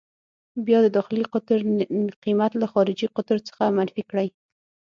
بیا د داخلي قطر قېمت له خارجي قطر څخه منفي کړئ.